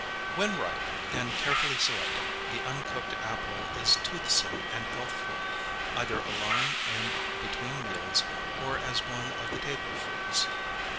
When ripe, and carefully selected, the uncooked apple is toothsome and healthful, either alone and between meals or as one of the table fruits.